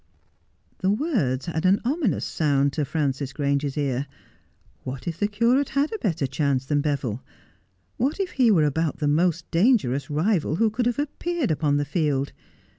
The words had an ominous sound to Frances Grange's ear. What if the curate had a better chance than Beville ? What if he were about the most dangerous rival who could have appeared upon the field?